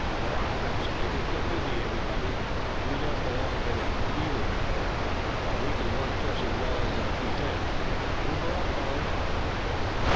"Hurrah! that's the ticket! Get busy everybody. We don't belong to the Beaver Patrol, but we can work just as well as if we did. Whoop her up, fellers!"